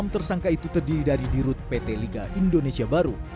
enam tersangka itu terdiri dari dirut pt liga indonesia baru